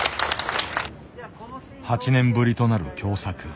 ８年ぶりとなる共作。